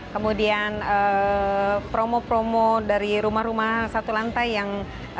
kemudian promo promo dari rumah rumah satu lantai yang